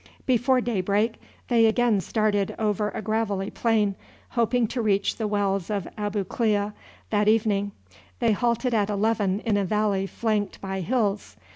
Before daybreak they again started over a gravelly plain, hoping to reach the wells of Abu Klea that evening. They halted at eleven in a valley flanked by hills.